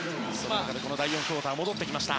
第４クオーターで戻ってきました。